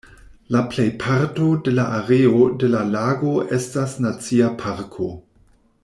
La plejparto de la areo de la lago estas nacia parko.